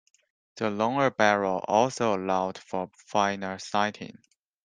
The longer barrel also allowed for finer sighting.